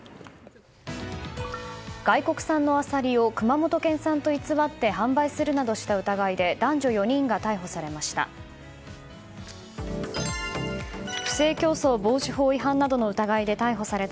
外国産のアサリを熊本県産と偽って販売するなどした疑いで男女４人が逮捕されました。